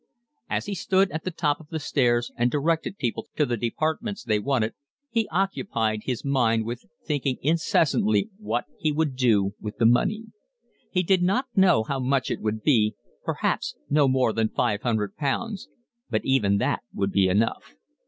As he stood at the top of the stairs and directed people to the departments they wanted, he occupied his mind with thinking incessantly what he would do with the money. He did not know how much it would be, perhaps no more than five hundred pounds, but even that would be enough.